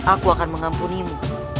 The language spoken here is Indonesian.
aku akan mengampunimu